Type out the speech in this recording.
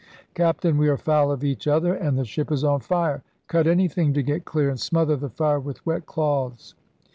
'Captain, we are foul of each other and the ship is on fire!' 'Cut anything to get clear and smother the fire with wet cloths!'